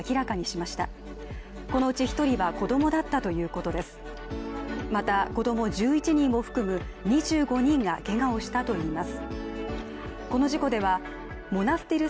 また、子供１１人を含む２５人がけがをしたといいます。